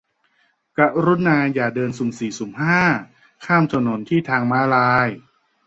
กรุณาอย่าเดินสุ่มสี่สุ่มห้า ข้ามถนนที่ทางม้าลาย